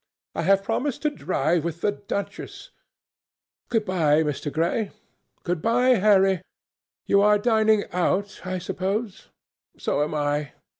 "I have promised to drive with the duchess. Good bye, Mr. Gray. Good bye, Harry. You are dining out, I suppose? So am I.